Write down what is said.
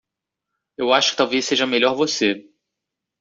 Eu acho que talvez seja melhor você.